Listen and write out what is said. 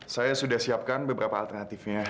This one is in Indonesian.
saya sudah siapkan beberapa alternatifnya